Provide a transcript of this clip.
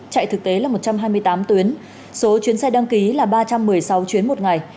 chạy thực tế là một trăm hai mươi tám tuyến số chuyến xe đăng ký là ba trăm một mươi sáu chuyến một ngày